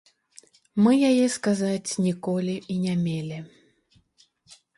Мы яе, сказаць, ніколі і не мелі.